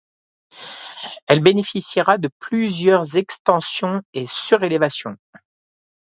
Elle bénéficiera de plusieurs extensions et surélévations.